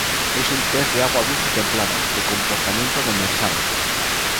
Es un pez de agua dulce templada, de comportamiento demersal.